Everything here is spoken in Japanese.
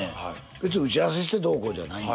別に打ち合わせしてどうこうじゃないの。